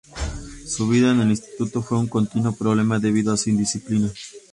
Su vida en el instituto fue un continuo problema debido a su indisciplina.